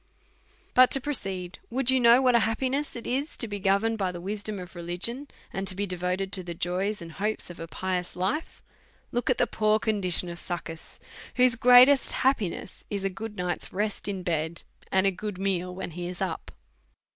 But to proceed ; would you know what an happi ness it is to be governed by the wisdom of religion, and be devoted to the joys and hopes of a pious life, look at the poor condition of Succus, whose greatest happiness is a good night's rest in bed, and a good meal when he is up.